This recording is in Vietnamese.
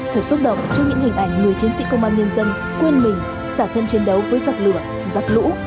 thật xúc động trước những hình ảnh người chiến sĩ công an nhân dân quên mình xả thân chiến đấu với giặc lửa giặt lũ